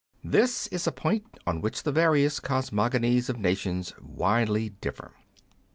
This is a point on which the various cosmogonies of nations widely differ.